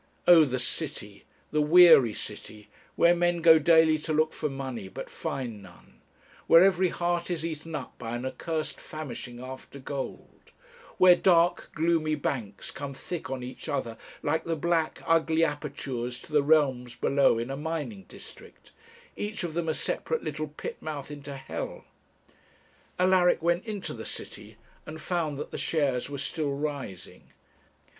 Oh, the city, the weary city, where men go daily to look for money, but find none; where every heart is eaten up by an accursed famishing after gold; where dark, gloomy banks come thick on each other, like the black, ugly apertures to the realms below in a mining district, each of them a separate little pit mouth into hell. Alaric went into the city, and found that the shares were still rising.